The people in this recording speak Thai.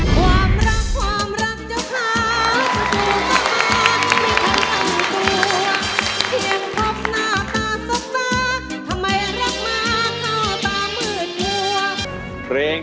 ร้องได้ให้ร้าง